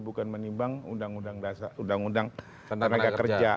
bukan menimbang undang undang tenaga kerja